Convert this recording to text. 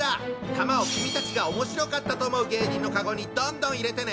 玉を君たちが面白かったと思う芸人のカゴにどんどん入れてね！